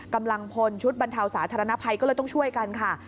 กำลังพลชุดบรรเทาสาธารณภัยก็เลยต้องช่วยกันค่ะ